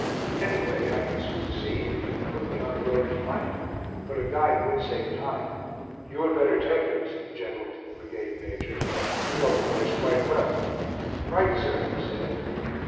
"Anyway, I can soon see, if you can put me on the road to find it. But a guide would save time." "You had better take him," said the General to the Brigade Major; "you know the place quite well." "Right, sir," he said.